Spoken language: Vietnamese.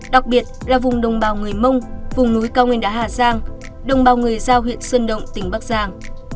đặc biệt là vùng đồng bào người mông vùng núi cao nguyên đá hà giang đồng bào người giao huyện sơn động tỉnh bắc giang